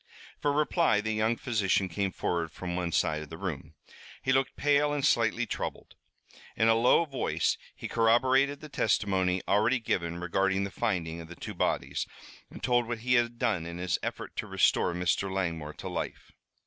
For reply the young physician came forward from one side of the room. He looked pale and slightly troubled. In a low voice he corroborated the testimony already given regarding the finding of the two bodies, and told what he had done in his effort to restore Mr. Langmore to life.